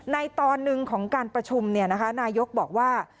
ในตอนหนึ่งของการประชุมเนี่ยนะคะนายกบอกว่า